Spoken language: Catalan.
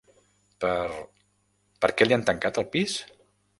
Per, per què li han tancat el pis?